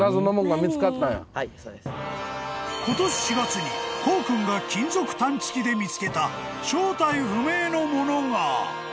［今年４月に越生君が金属探知機で見つけた正体不明のものが］